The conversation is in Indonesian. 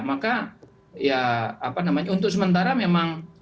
maka ya apa namanya untuk sementara memang peluang itu